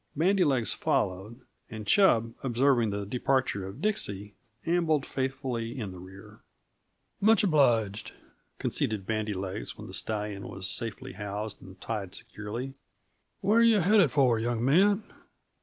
Bandy legs followed, and Chub, observing the departure of Dixie, ambled faithfully in the rear. "Much obliged," conceded Bandy legs, when the stallion was safely housed and tied securely. "Where yuh headed for, young man?"